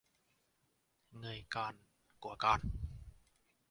người còn của còn